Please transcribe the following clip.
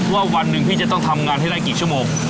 วันหนึ่งพี่จะต้องทำงานให้ได้กี่ชั่วโมง